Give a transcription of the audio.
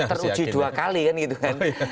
teruji dua kali kan gitu kan